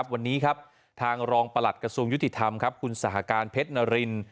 วันนี้ครับทางรองประหลัดกระทรวงยุติธรรมคุณสหการเพชรนาริน